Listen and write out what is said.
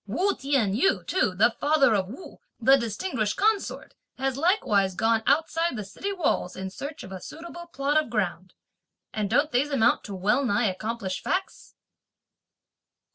Wu T'ien yu too, the father of Wu, the distinguished consort, has likewise gone outside the city walls in search of a suitable plot of ground; and don't these amount to well nigh accomplished facts?"